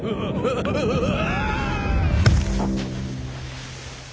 うわ！